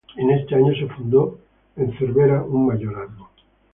En este año se fundó en Cervera un Mayorazgo.